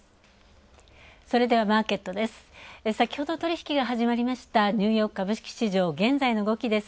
それではマーケットです。